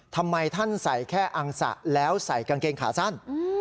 ทำไมท่านใส่แค่อังสะแล้วใส่กางเกงขาสั้น